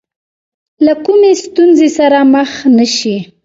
له کومې ستونزې سره مخ نه شي.